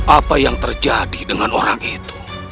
apa yang terjadi dengan orang itu